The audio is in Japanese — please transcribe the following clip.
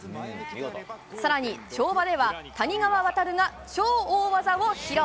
さらに跳馬では、谷川航が超大技を披露。